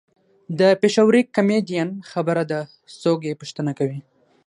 د پېښوري کمیډین خبره ده څوک یې پوښتنه کوي.